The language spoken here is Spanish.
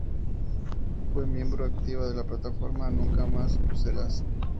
Fue miembro activa de la Plataforma Nunca Más en Bruselas.